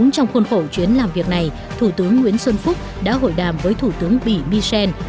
trong khuôn khổ chuyến làm việc này thủ tướng nguyễn xuân phúc đã hội đàm với thủ tướng bỉ michel